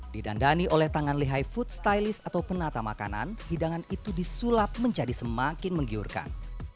didandani oleh tangan lihai food stylist atau penata makanan hidangan itu disulap menjadi semakin menggiurkan